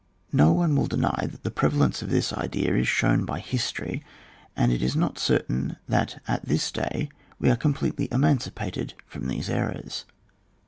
No one will deny that the prevalence of this idea is shown by history, and it is not certain that at this day we are com pletely emancipated from these errors.